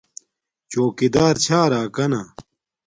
چوکیدار چھا راکانا